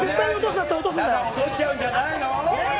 落としちゃうんじゃないの。